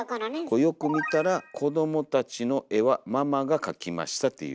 これよく見たら「子どもたちのえはママがかきました」っていう。